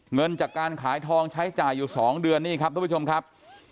เงินจากการขายทองใช้จ่ายอยู่๒เดือนนี่ครับทุกผู้ชมครับ